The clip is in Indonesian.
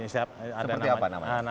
seperti apa namanya